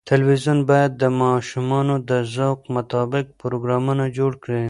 تلویزیون باید د ماشومانو د ذوق مطابق پروګرامونه جوړ کړي.